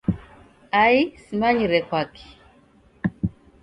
Ai Simanyire kwaki.